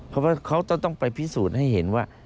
เพราะว่าเขาต้องไปพิสูจน์ให้เห็นว่า